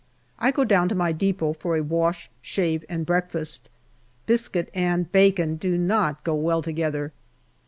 I go down to my depot for a wash, shave, and breakfast. Biscuit and bacon do not go well together.